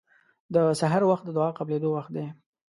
د سحر وخت د دعا قبلېدو وخت دی.